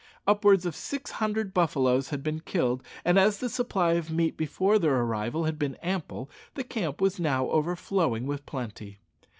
Upwards of six hundred buffaloes had been killed and as the supply of meat before their arrival had been ample, the camp was now overflowing with plenty.